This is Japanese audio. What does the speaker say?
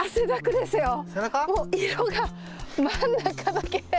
もう色が真ん中だけ。